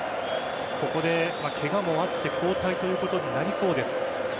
ここでケガもあって交代ということになりそうです。